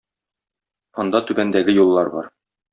Анда түбәндәге юллар бар: